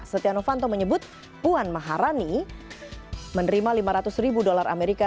setia novanto menyebut puan maharani menerima lima ratus ribu dolar amerika